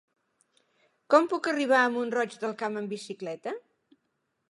Com puc arribar a Mont-roig del Camp amb bicicleta?